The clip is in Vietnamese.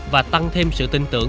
và tăng thêm sự tin tưởng